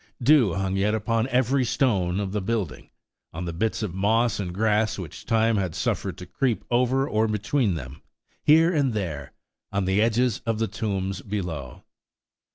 Dew hung yet upon every stone of the building,–on the bits of moss and grass which time had suffered to creep over or between them, here and there,–on the edges of the tombs below.